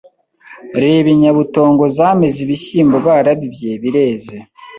Reba inyabutongo zameze ibishyimbo barabibye bireze